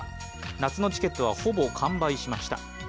夏のチケットはほぼ完売しました。